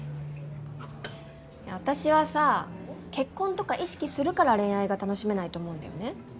私はさ結婚とか意識するから恋愛が楽しめないと思うんだよね。